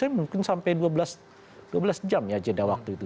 mungkin sampai dua belas jam ya jeda waktu itu